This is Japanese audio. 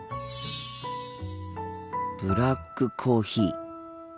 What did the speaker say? ブラックコーヒー。